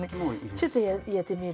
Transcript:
ちょっとやってみる？